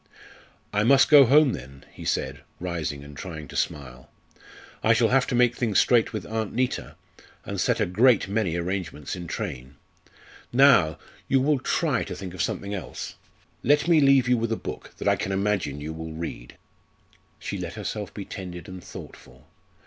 "I must go home then," he said, rising and trying to smile. "I shall have to make things straight with Aunt Neta, and set a great many arrangements in train. Now, you will try to think of something else? Let me leave you with a book that I can imagine you will read." She let herself be tended and thought for.